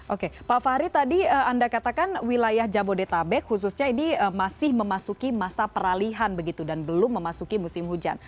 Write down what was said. oke pak fahri tadi anda katakan wilayah jabodetabek khususnya ini masih memasuki masa peralihan begitu dan belum memasuki musim hujan